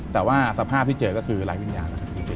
แต่ว่าสภาพที่เจอก็คือไร้วินยาคือเสียชีวิต